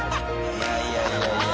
いやいやいやいや。